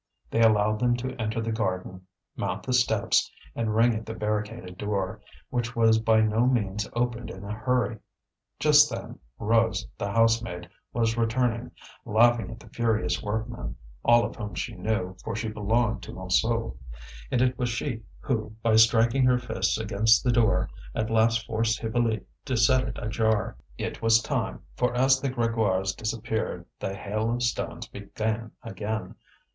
They allowed them to enter the garden, mount the steps, and ring at the barricaded door, which was by no means opened in a hurry. Just then, Rose, the housemaid, was returning, laughing at the furious workmen, all of whom she knew, for she belonged to Montsou. And it was she who, by striking her fists against the door, at last forced Hippolyte to set it ajar. It was time, for as the Grégoires disappeared, the hail of stones began again.